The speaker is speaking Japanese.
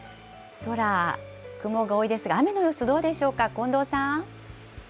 空、雲が多いですが、雨の様子どうでしょうか、近藤さん。